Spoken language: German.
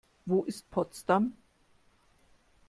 Wo ist Potsdam?